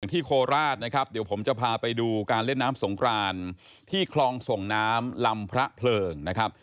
โคราชนะครับเดี๋ยวผมจะพาไปดูการเล่นน้ำสงครานที่คลองส่งน้ำลำพระเพลิงนะครับ